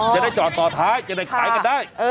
จะได้จอดต่อท้ายจะได้ขายกันได้